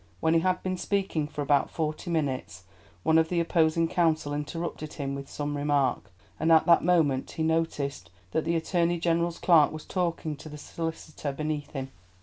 When he had been speaking for about forty minutes one of the opposing counsel interrupted him with some remark, and at that moment he noticed that the Attorney General's clerk was talking to the solicitor beneath him.